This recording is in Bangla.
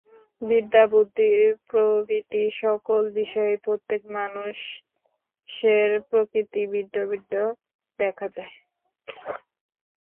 বিদ্যা বুদ্ধি প্রভৃতি সকল বিষয়েই প্রত্যেক মানুষের প্রকৃতি ভিন্ন ভিন্ন দেখা যায়।